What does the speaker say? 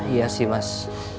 iya sih mas